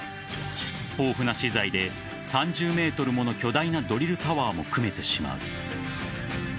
豊富な資材で３０ｍもの巨大なドリルタワーも組めてしまう。